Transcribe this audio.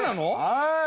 はい。